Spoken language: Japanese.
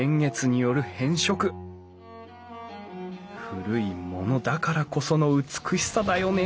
古いものだからこその美しさだよね